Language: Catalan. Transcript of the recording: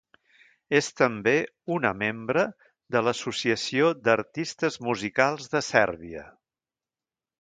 És també una membre de l'Associació d'Artistes Musicals de Sèrbia.